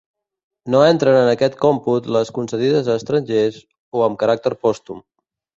No entren en aquest còmput les concedides a estrangers, o amb caràcter pòstum.